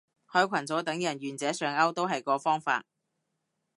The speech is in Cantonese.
開群組等人願者上釣都係個方法